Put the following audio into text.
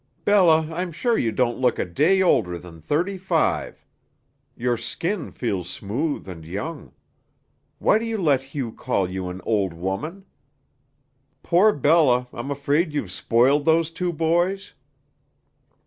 "Bella, I'm sure you don't look a day older than thirty five. Your skin feels smooth and young. Why do you let Hugh call you an old woman? Poor Bella, I'm afraid you've spoiled those two boys?"